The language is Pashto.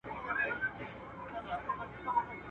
له ازل څخه یې لار نه وه میندلې.